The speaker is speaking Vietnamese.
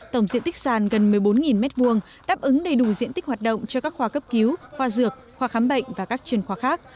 tổng diện tích sàn gần một mươi bốn m hai đáp ứng đầy đủ diện tích hoạt động cho các khoa cấp cứu khoa dược khoa khám bệnh và các chuyên khoa khác